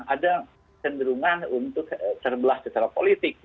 ada cenderungan untuk terbelah secara politik